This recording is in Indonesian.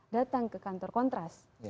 datang ke kantor kontras